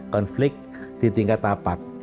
konflik di tingkat tapak